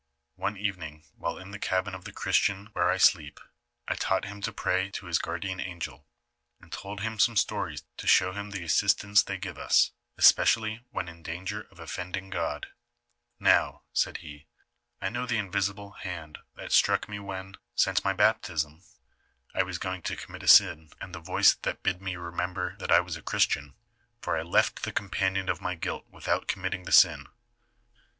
"One evening, while in the cabin of the Christian where I sleep, I taught hira to pray to his guard ian ang'^,1, and told him some stories to show him the assistance they give us, es pecially when in danger of offending God. 'Now,' said he, *I know the invisible band that struck me when, since my baptism, I was going to commit a sin, and the voice that bid 5 I I I if m lii LIFE OF 7ATHKB MARQUETTB. "'illiiiliil me remember that I was a Christian ; for I lefl the companion of my guilt without committing the sin.'